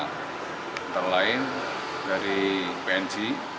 mata lain dari png